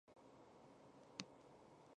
圣昂图万坎翁。